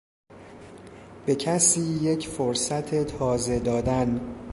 به کسی یک فرصت تازه دادن